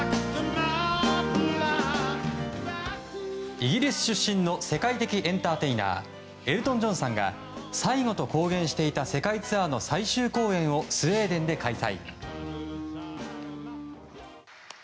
イギリス出身の世界的エンターテイナーエルトン・ジョンさんが最後と公言していた世界ツアーの最終公演をスウェーデンで開催。